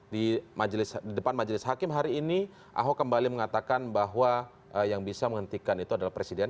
di depan majelis hakim hari ini ahok kembali mengatakan bahwa yang bisa menghentikan itu adalah presiden